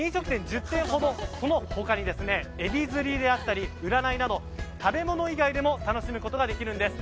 その他にエビ釣りであったり占いなど食べ物以外でも楽しむことができるんです。